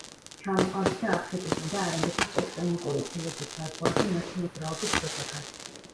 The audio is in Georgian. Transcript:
ჩამოყალიბდა აფრიკისა და არაბეთის ტექტონიკური ფილების საზღვარზე მათი მოძრაობის შედეგად.